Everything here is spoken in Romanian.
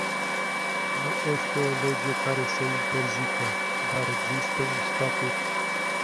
Nu este o lege care să-i interzică, dar există un statut.